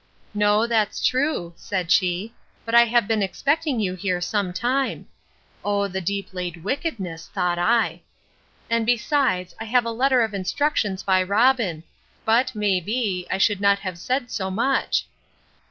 No, that's true, said she; but I have been expecting you here some time; (O the deep laid wickedness! thought I:) and, besides, I have a letter of instructions by Robin; but, may be, I should not have said so much.